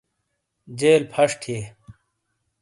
جیل فش تھیے